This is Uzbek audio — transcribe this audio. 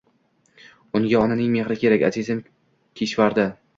Unga onaning mehri kerak, azizim Kishvardi!